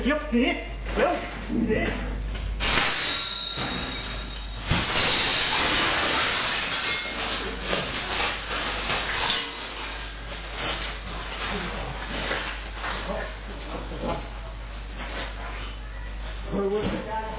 กลับไปไม่เหมือนเดิมครับ